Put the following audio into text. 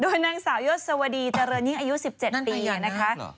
นางสาวยศวดีเจริญยิ่งอายุ๑๗ปีนะคะ